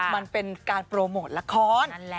มันเป็นการโปรโมทลักษณ์